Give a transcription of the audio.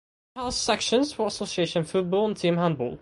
It has sections for association football and team handball.